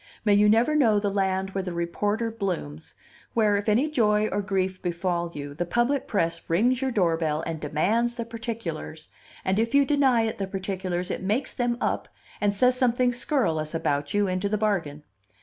May you never know the land where the reporter blooms, where if any joy or grief befall you, the public press rings your doorbell and demands the particulars, and if you deny it the particulars, it makes them up and says something scurrilous about you into the bargain.